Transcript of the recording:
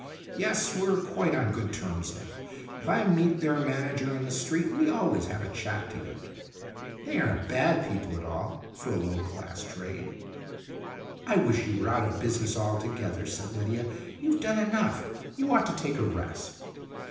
Yes, we're quite on good terms now. If I meet their manager in the street we always have a chat together. They aren't bad people at all for a low class trade." " I wish you were out of business altogether," said Lydia. "You've done enough. You ought to take a rest."